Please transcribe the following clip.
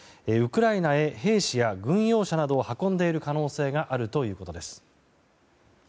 ウクライナへ兵士や軍用車などを運んでいる可能性があるということです。